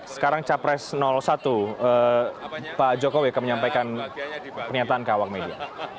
sekarang capres satu pak jokowi akan menyampaikan pernyataan ke awak media